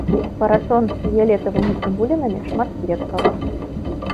Парасон з фіялетавымі цыбулінамі, шматкветкавы.